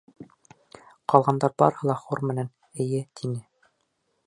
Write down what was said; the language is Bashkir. Ҡалғандар барыһы ла хор менән, эйе, тине.